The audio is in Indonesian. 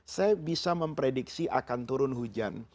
saya bisa memprediksi akan turun hujan